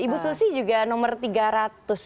ibu susi juga nomor tiga ratus ibu susi